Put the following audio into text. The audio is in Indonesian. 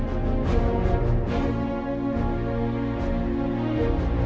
itu yang cemerlangnya